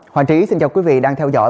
hoàng trí xin chào quý vị đang theo dõi